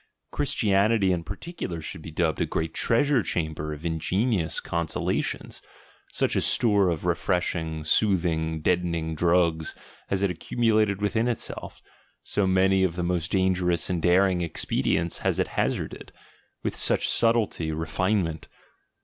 Christianity in particular should be dubbed a great treasure chamber of ingenious consolations, — such a store of refreshing, soothing, deadening drugs has it accumulated within itself; so many of the most dangerous and daring ex pedients has it hazarded; with such subtlety, refinement.